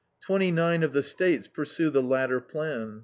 Twenty nine of the States pursue the latter plan.